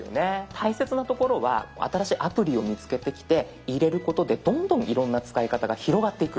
大切なところは新しいアプリを見つけてきて入れることでどんどんいろんな使い方が広がっていく。